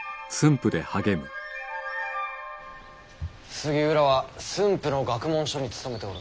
杉浦は駿府の学問所に勤めておるのか。